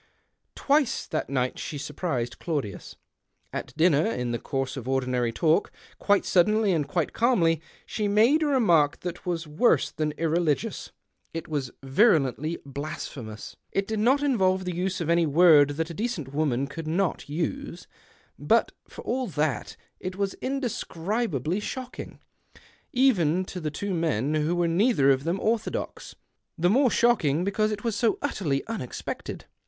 Twice that night she surprised Claudius. At dinner, in the course of ordinary talk, quite suddenly and quite calmly she made a re mark that was worse than irrelioious : it was 132 THE OCTAVE OF CLAUDIUS. virulently blaspliemous. It did not involve the use of any word that a decent woman could not use ; but, for all that, it was indescribably shockino even to the two men, who were neither of them orthodox — the more shocking because it was so utterly unexpected.